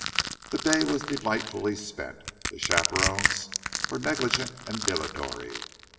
The day was delightfully spent. The chaperons were negligent and dilatory.